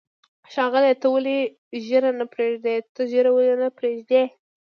ښاغلیه، ته ولې ږیره نه پرېږدې؟ ته ږیره ولې نه پرېږدی؟